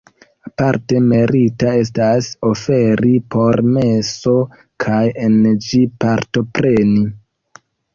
Aparte merita estas oferi por meso kaj en ĝi partopreni.